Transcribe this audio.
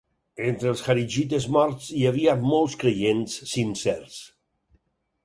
Entre els kharigites morts hi havia molts creients sincers.